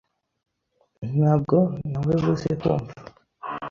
Ntabwo nawebuze kumva .